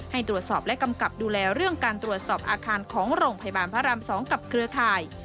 ให้ตรวจสอบและกำกับดูแลเรื่องการตรวจสอบอาคารของโรงพยาบาลพระราม๒กับเครือข่าย